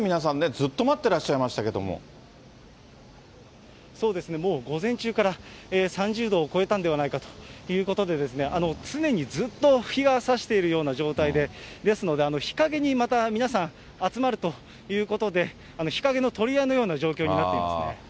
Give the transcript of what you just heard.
ずっと待ってらっしゃいましたけそうですね、もう午前中から、３０度を超えたんではないかということで、常にずっと日がさしているような状態で、ですので、日陰にまた皆さん、集まるということで、日陰の取り合いのような状況になっていますね。